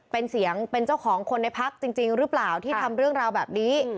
เป็นเสียงเป็นเจ้าของคนในพักจริงหรือเปล่าที่ทำเรื่องราวแบบนี้